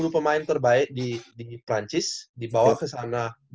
enam puluh pemain terbaik di perancis dibawa ke sana